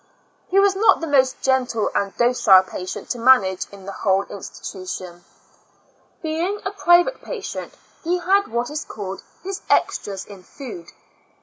He was not the most gentle and docile patient to manage in the whole iustitution. Being a private patient, he had what is called his extras in food.